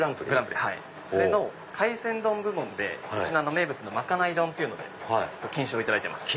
それの海鮮丼部門でうちの名物のまかない丼っていうので金賞を頂いてます。